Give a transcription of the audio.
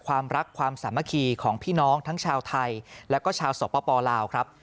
ความรักความสามัคคีของพี่น้องทั้งชาวไทยแล้วก็ชาวสปลาวครับ